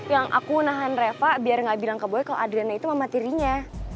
yang aku nahan reva biar gak bilang ke boy kalau adriana itu mama tirinya